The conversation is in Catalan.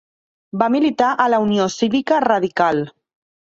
Va militar a la Unió Cívica Radical.